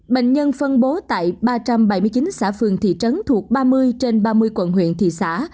bệnh nhân phân bố tại ba trăm bảy mươi chín xã phường thị trấn thuộc ba mươi trên ba mươi quận huyện thị xã